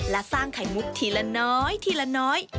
และสร้างไข่มุกทีละน้อย